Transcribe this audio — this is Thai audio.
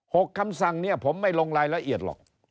คำสั่งเนี่ยผมไม่ลงรายละเอียดหรอก